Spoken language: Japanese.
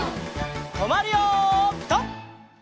とまるよピタ！